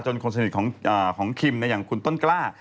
จนคนสนิทของของคิมนะอย่างคุณต้นกล้า